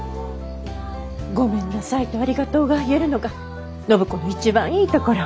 「ごめんなさい」と「ありがとう」が言えるのが暢子の一番いいところ。